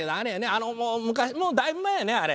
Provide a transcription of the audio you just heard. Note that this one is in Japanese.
あの昔もうだいぶ前やねあれ。